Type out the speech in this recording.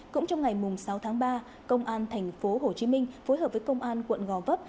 cũng trong ngày sáu tháng ba công an tp hcm phối hợp với công an quận gò vấp